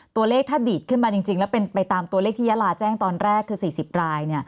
ตัวเลขถ้าดีดขึ้นมาจริงแล้วเป็นไปตามตัวเลขที่ยาลาแจ้งตอนแรกคือ๔๐ราย